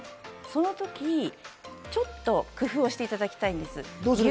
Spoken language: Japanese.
その時、ちょっと工夫をしていただきたいんです。